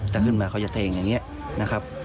แต่ขึ้นมาเขาจะเทงอย่างนี้นะครับ